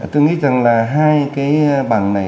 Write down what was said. tôi nghĩ rằng là hai cái bằng này